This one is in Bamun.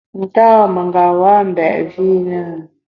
Nta mengeba mbèt vi i na?